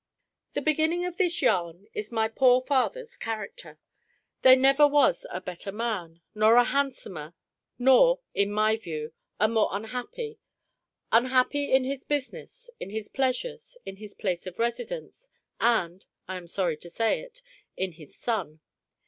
The beginning of this yarn is my poor father's character. There never was a better man, nor a handsomer, nor (in my view) a more unhappy unhappy in his business, in his pleasures, in his place of residence, and (I am sorry to say it) in his son.